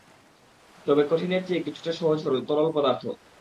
তবে কঠিনের চেয়ে কিছুটা সহজ সরল হলো তরল পদার্থ।